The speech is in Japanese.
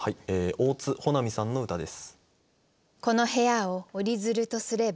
大津穂波さんの歌です。